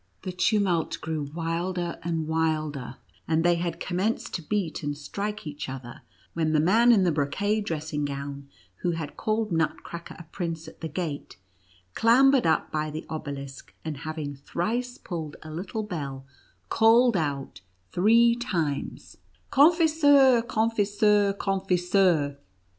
The tumult grew wilder and wilder, and they had com menced to beat and strike each other, when the man in the brocade dressing gown, who had called Nutcracker a prince at the gate, clam bered up by the obelisk, and having thrice pulled a little bell, called out three times: "Confiseur! confiseur! confiseur!"